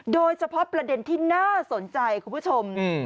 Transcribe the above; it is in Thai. โดยเฉพาะประเด็นที่น่าสนใจคุณผู้ชม